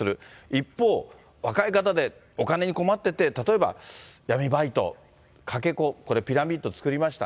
一方、若い方でお金に困ってて、例えば闇バイト、かけ子、これ、ピラミッド作りました。